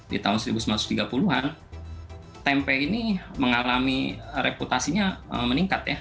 di tahun seribu sembilan ratus tiga puluh an tempe ini mengalami reputasinya meningkat ya